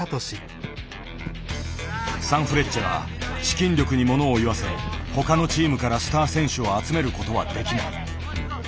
サンフレッチェは資金力にものをいわせ他のチームからスター選手を集める事はできない。